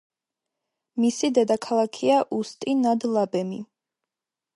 მისი დედაქალაქია უსტი-ნად-ლაბემი.